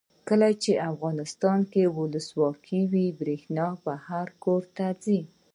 کله چې افغانستان کې ولسواکي وي برښنا هر کور ته ځي.